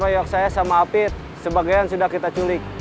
orang yang kemarin ngeroyok saya sama apit sebagian sudah kita culik